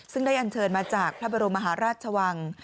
ซึ่งได้อันเชิญมาจากพระบรมมหาราชวัง